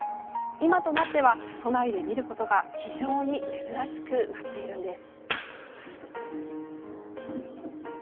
今となっては、都内で見ることが非常に珍しくなっているんです。